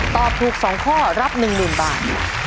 ตอบถูก๒ข้อรับ๑๐๐๐บาท